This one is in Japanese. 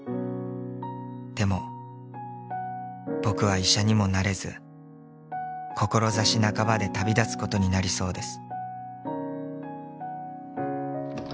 でも僕は医者にもなれず志半ばで旅立つことになりそうです」